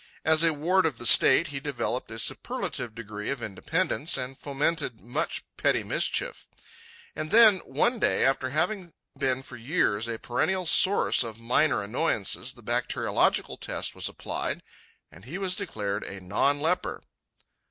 As a ward of the state he developed a superlative degree of independence and fomented much petty mischief. And then, one day, after having been for years a perennial source of minor annoyances, the bacteriological test was applied, and he was declared a non leper.